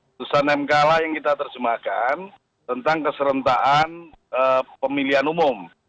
putusan mk lah yang kita terjemahkan tentang keserentaan pemilihan umum